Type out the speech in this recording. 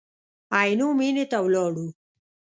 عینو مېنې ته ولاړو.